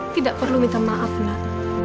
tidak perlu minta maaf mbak